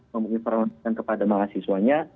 menginformasikan kepada mahasiswanya